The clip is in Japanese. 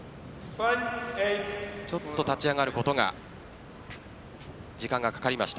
ちょっと立ち上がることに時間がかかりました。